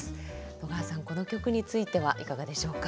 野川さんこの曲についてはいかがでしょうか？